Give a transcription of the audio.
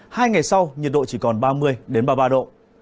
hai ngày sau nhiệt độ chỉ còn ba mươi ba mươi ba độ